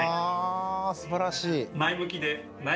すばらしい。